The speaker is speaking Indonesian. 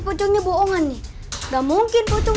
kumasi hari pak rete teh